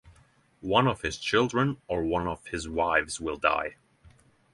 One of his children or one of his wives will die.